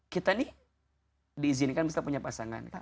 kita nih diizinkan misalnya punya pasangan